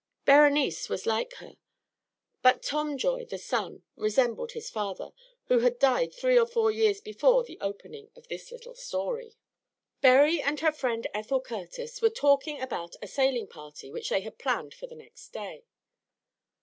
Berenice was like her; but Tom Joy the son resembled his father, who had died three or four years before the opening of this little story. Berry and her friend Ethel Curtis were talking about a sailing party which they had planned for the next day.